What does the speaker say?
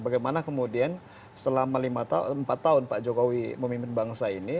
bagaimana kemudian selama empat tahun pak jokowi memimpin bangsa ini